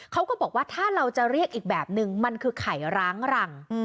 เขาก็บอกว่าถ้าเราจะเรียกอีกแบบนึงมันคือไข่ร้างรัง